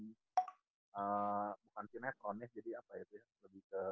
bukan kineskronnya jadi apa ya tuh lebih ke